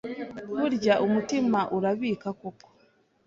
burya umutima urabika koko